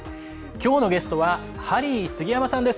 きょうのゲストはハリー杉山さんです。